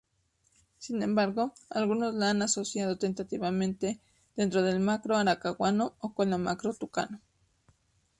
Sin embargo, algunos la han asociado tentativamente dentro del macro-arawakano o con la macro-tukano.